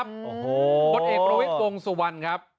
ชอบบอดเอกบรวมกลวงสถ์สุวรรณ